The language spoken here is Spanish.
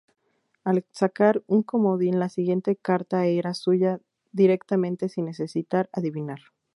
Al sacar un comodín, la siguiente carta era suya directamente sin necesitar adivinar.